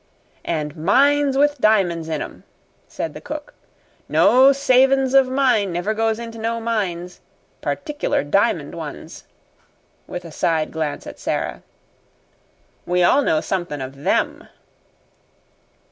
"And mines with diamonds in 'em!" said the cook. "No savin's of mine never goes into no mines particular diamond ones" with a side glance at Sara. "We all know somethin' of THEM."